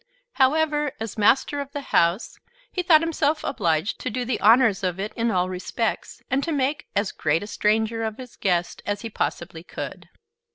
However, as master of the house, he thought himself obliged to do the honors of it in all respects, and to make as great a stranger of his guest as he possibly could.